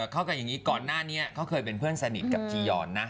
เข้ากันอย่างนี้ก่อนหน้านี้เขาเคยเป็นเพื่อนสนิทกับจียอนนะ